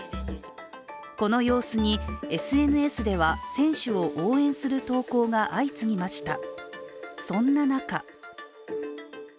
この様子にＳＮＳでは選手を応援する投稿が相次ぎました。